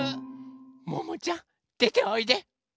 ももちゃんでておいで！